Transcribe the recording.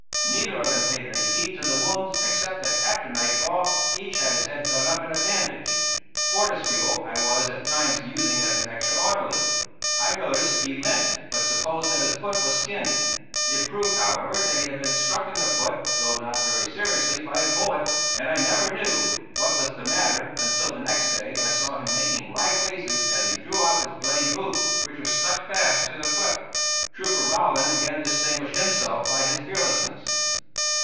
Neither of them paid any heed to the wounds except that after nightfall each had his head done up in a bandage. Fortescue I was at times using as an extra orderly. I noticed he limped, but supposed that his foot was skinned. It proved, however, that he had been struck in the foot, though not very seriously, by a bullet, and I never knew what was the matter until the next day I saw him making wry faces as he drew off his bloody boot, which was stuck fast to the foot. Trooper Rowland again distinguished himself by his fearlessness.